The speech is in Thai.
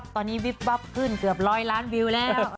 ตอนนี้วิบวับขึ้นเกือบร้อยล้านวิวแล้ว